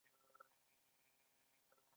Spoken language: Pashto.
ته چې نه یې نو د چا غـــــــږونه اورم